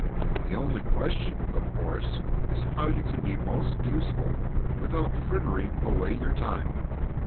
"The only question, of course, is how you can be most useful without frittering away your time.